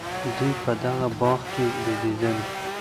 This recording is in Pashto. دوی په دغه باغ کي بېدېدل.